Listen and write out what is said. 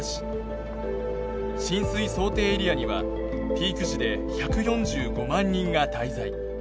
浸水想定エリアにはピーク時で１４５万人が滞在。